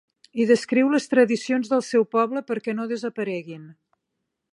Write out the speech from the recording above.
Hi descriu les tradicions del seu poble perquè no desapareguin.